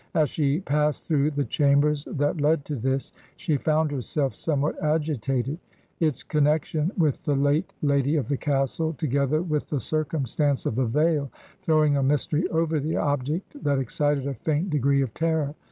As she passed through the chambers that led to this, she found herself somewhat agitated ; its con nection with the late lady of the castle, together with the circumstance of the veil, throwing a mystery over the object that excited a faint degree of terror.